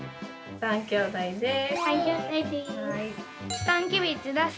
３きょうだいでーす。